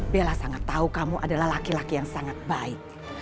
bella sangat tahu kamu adalah laki laki yang sangat baik